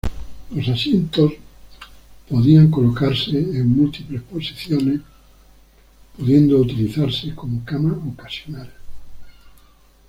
Los asientos podían colocarse en múltiples posiciones, pudiendo utilizarse como cama ocasional.